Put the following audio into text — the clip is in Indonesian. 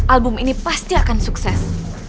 album ini pasti akan sukses